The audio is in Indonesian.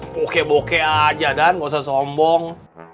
bokeh bokeh aja dan gak usah sombong